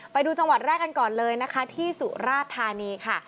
ไปดูจังหวัดแรกกันก่อนเลยนะคะที่สุราชธานีค่ะ